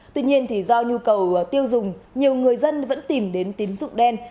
tuy nhiên do nhu cầu tiêu dùng nhiều người dân vẫn tìm đến tín dụng đen